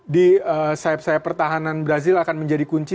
di sahab sahab pertahanan brazil akan menjadi kunci